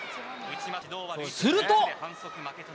すると。